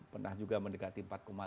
pernah juga mendekati empat tiga